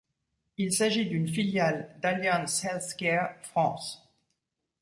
Il s'agit d'une filiale d'Alliance Healthcare France.